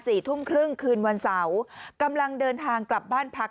ทุ่มครึ่งคืนวันเสาร์กำลังเดินทางกลับบ้านพัก